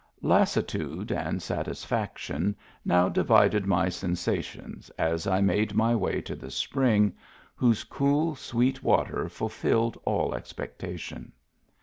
Lassitude and satisfaction now divided my sensations as I made my way to the spring, whose cool, sweet water fulfilled all expectation.